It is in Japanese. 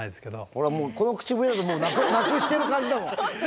ほらもうこの口ぶりだとなくしてる感じだもん。